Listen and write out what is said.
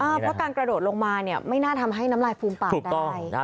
เพราะการกระโดดลงมาเนี่ยไม่น่าทำให้น้ำลายฟูมปากได้